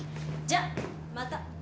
じゃまた。